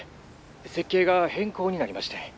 設計が変更になりましてん。